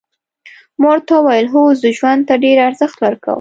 ما ورته وویل هو زه ژوند ته ډېر ارزښت ورکوم.